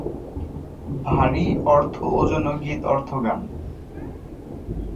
ভারী অর্থ ওজন ও গীত অর্থ গান।